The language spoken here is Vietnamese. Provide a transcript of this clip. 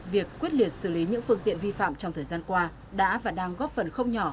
việc quyết liệt xử lý những phương tiện vi phạm trong thời gian qua đã và đang góp phần không nhỏ